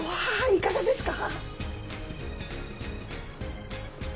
いかがですか？